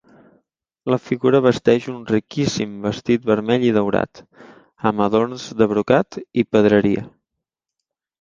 La figura vesteix un riquíssim vestit vermell i daurat, amb adorns de brocat i pedreria.